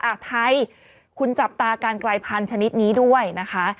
ไทยคุณจับตาการกลายพันธุ์ชนิดนี้ด้วยนะคะ